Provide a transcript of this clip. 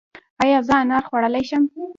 ایا زه انار خوړلی شم؟